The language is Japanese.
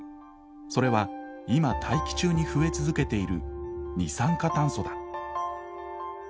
それは今大気中に増え続けている二酸化炭素だ。